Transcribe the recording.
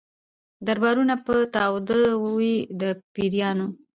دربارونه به تاوده وي د پیرانو